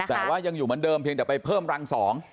แต่ว่ายังอยู่เหมือนเดิมเพียงแต่ไปเพิ่มรังสอง